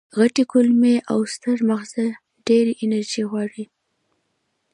غټې کولمې او ستر ماغز ډېره انرژي غواړي.